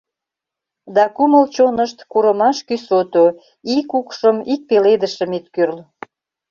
Да кумыл-чонышт — курымаш кӱсото — Ик укшым, ик пеледышым ит кӱрл.